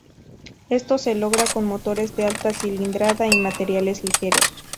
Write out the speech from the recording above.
Esto se logra con motores de alta cilindrada y materiales ligeros.